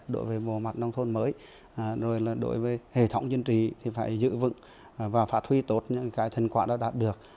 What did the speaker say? đối với mùa mặt nông thôn mới đối với hệ thống dân trì thì phải giữ vững và phát huy tốt những cái thành quả đã đạt được